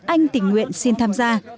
anh tỉnh nguyện xin tham gia